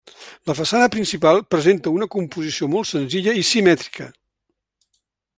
La façana principal presenta una composició molt senzilla i simètrica.